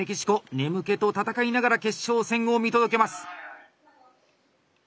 眠気と闘いながら決勝戦を見届けます。